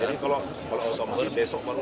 jadi kalau besok baru